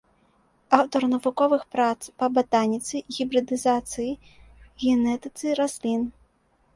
Аўтар навуковых прац па батаніцы, гібрыдызацыі, генетыцы раслін.